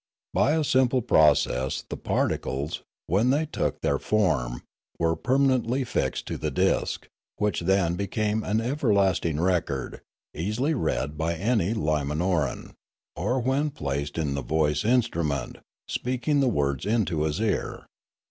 By a simple process the particles, when they took their form, were permanently fixed to the disc, which then became an everlasting record, easily read by any Lima noran; or, when placed in the voice instrument, speak ing the words into his ear.